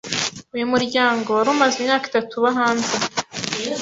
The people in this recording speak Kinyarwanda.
Uyu muryango, wari umaze imyaka itatu ubahanze